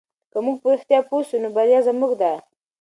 که موږ په رښتیا پوه سو نو بریا زموږ ده.